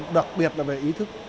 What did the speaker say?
đặc biệt là về ý thức